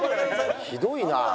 ひどいな。